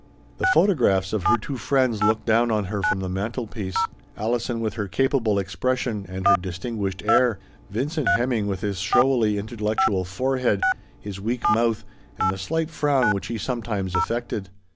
The photographs of her two friends looked down on her from the mantelpiece : Alison, with her sweet expression and her distin guished, mondaine air; Vincent Hemming, with his intellectual forehead, his impotent mouth, and the slight frown which he some times affected.